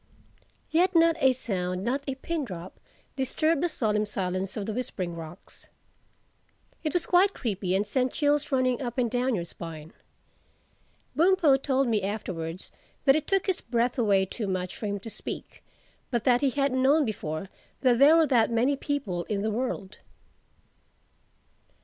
Yet not a sound, not a pin drop, disturbed the solemn silence of the Whispering Rocks. It was quite creepy and sent chills running up and down your spine. Bumpo told me afterwards that it took his breath away too much for him to speak, but that he hadn't known before that there were that many people in the world.